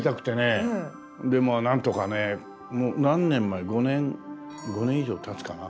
でもう何とかねもう何年前５年以上たつかな。